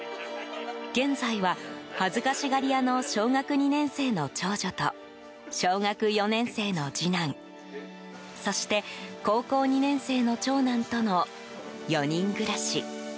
現在は、恥ずかしがり屋の小学２年生の長女と小学４年生の次男そして、高校２年生の長男との４人暮らし。